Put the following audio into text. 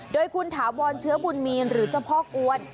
โดยคุณถาวรเชื้อบุญมีนหรือเจ้าพ่อกวน